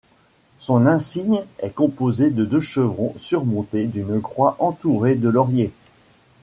Son insigne est composé de deux chevrons surmontés d'une croix entourée de lauriers.